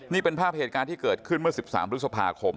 นี่เป็นภาพเหตุการณ์ที่เกิดขึ้นเมื่อ๑๓พฤษภาคม